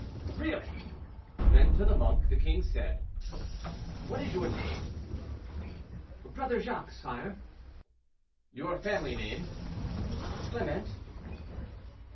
"Really!" Then to the monk, the king said, "What is your name?" "Brother Jacques, sire." "Your family name?" "Clement."